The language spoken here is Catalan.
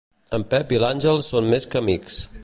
En Pep i l'Àngel són més que amics.